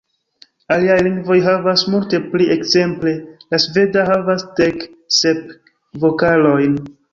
Aliaj lingvoj havas multe pli, ekzemple la sveda havas dek sep vokalojn.